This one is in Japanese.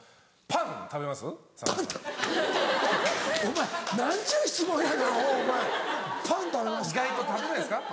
「パン食べますか？」。